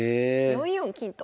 ４四金と。